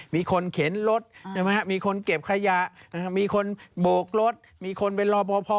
มีคนเข็นรถมีคนเก็บขยะมีคนโบกรถมีคนไปรอพอพอ